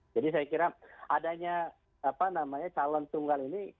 jadi saya kira adanya calon tunggal ini